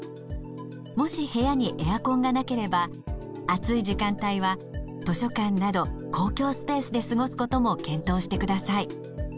もし部屋にエアコンがなければ暑い時間帯は図書館など公共スペースで過ごすことも検討してください。